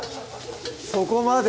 そこまで？